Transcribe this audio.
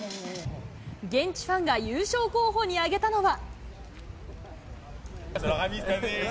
現地ファンが優勝候補に挙げたのは。